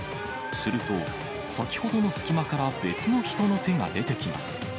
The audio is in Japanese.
すると、先ほどの隙間から別の人の手が出てきます。